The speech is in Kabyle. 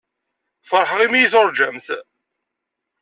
Feṛḥeɣ imi iyi-tuṛǧamt.